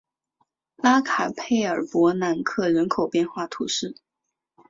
拉卡佩尔博南克人口变化图示